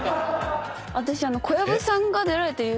私。